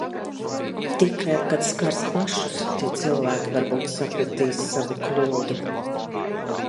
Tikai, kad skars pašus, tie cilvēki varbūt sapratīs savu kļūdu.